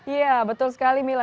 iya betul sekali mila